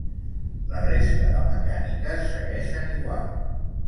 La resta de mecàniques segueixen igual.